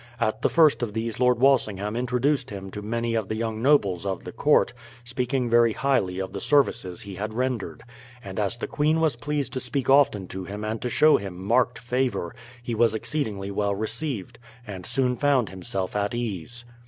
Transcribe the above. At the first of these Lord Walsingham introduced him to many of the young nobles of the court, speaking very highly of the services he had rendered; and as the queen was pleased to speak often to him and to show him marked favour, he was exceedingly well received, and soon found himself at ease.